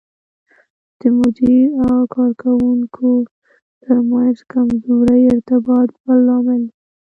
د مدیر او کارکوونکو ترمنځ کمزوری ارتباط بل لامل دی.